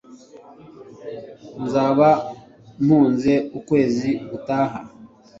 nzaba mpuze ukwezi gutaha